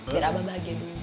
biar abah bahagia dulu